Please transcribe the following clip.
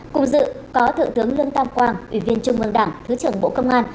cùng dự có thượng tướng lương tam quang ủy viên trung ương đảng thứ trưởng bộ công an